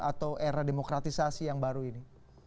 atau era demokratisasi yang baru ini